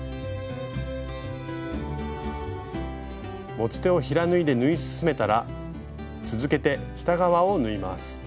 持ち手を平縫いで縫い進めたら続けて下側を縫います。